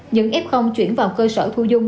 những f chuyển vào cơ sở thu dung